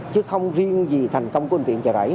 chứ không riêng gì thành công của bệnh viện trà rẫy